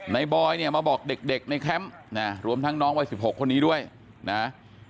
บอยเนี่ยมาบอกเด็กในแคมป์นะรวมทั้งน้องวัย๑๖คนนี้ด้วยนะ